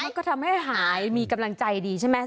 ก็ทำให้หายมีกำลังใจดีใช่ไหม